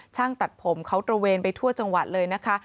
ช่างตัดผมเขาตระเวนไปทั่วจังหวัดเลยนะคะ